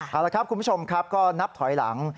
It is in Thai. เอาละครับคุณผู้ชมครับก็นับถอยหลัง